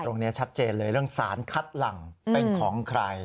ตรงนี้ชัดเจนเลยเรื่องสารคัดหลังเป็นของใคร